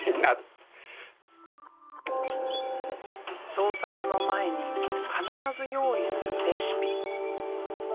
創作の前に必ず用意するレシピ。